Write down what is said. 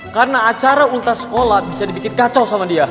karena acara ulang tahun sekolah bisa dibikin kacau sama dia